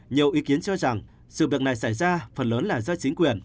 nhiều ý kiến cho rằng sự việc này xảy ra phần lớn là do chính quyền